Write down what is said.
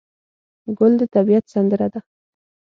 ګل د طبیعت سندره ده.